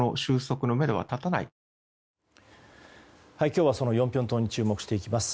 今日はヨンピョン島に注目していきます。